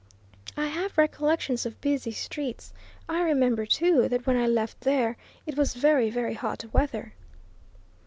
I have recollections of busy streets I remember, too, that when I left there it was very, very hot weather."